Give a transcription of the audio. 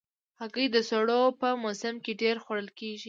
هګۍ د سړو په موسم کې ډېر خوړل کېږي.